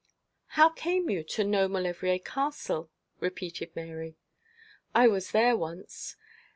'How came you to know Maulevrier Castle?' repeated Mary. 'I was there once.